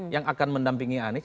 yang akan mendampingi anies